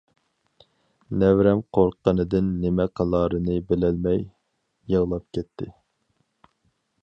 نەۋرەم قورققىنىدىن نېمە قىلارىنى بىلەلمەي يىغلاپ كەتتى.